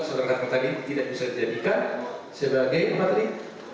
sobara rantar tadi tidak bisa dijadikan sebagai materi